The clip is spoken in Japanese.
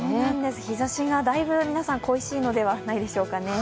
日ざしがだいぶ、皆さん恋しいのではないでしょうかね。